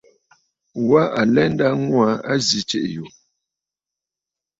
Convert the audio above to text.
Wa alɛ nda ŋû aa a zi tsiʼì yù.